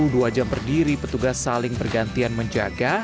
dua jam berdiri petugas saling bergantian menjaga